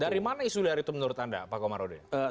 dari mana isu liar itu menurut anda pak komarudin